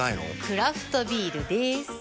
クラフトビールでーす。